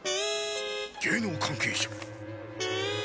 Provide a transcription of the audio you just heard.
芸能関係者。